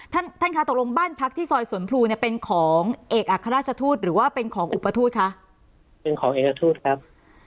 ท่านท่านคะตกลงบ้านพักที่ซอยสวนพลูเนี่ยเป็นของเอกอัครราชทูตหรือว่าเป็นของอุปทูตคะเป็นของเอกทูตครับ